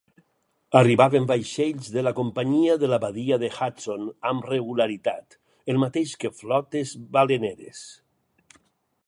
Arribaven vaixells de la companyia de la badia de Hudson amb regularitat, el mateix que flotes baleneres.